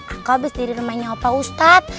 aku habis di rumahnya opa ustad